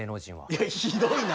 いやひどいな！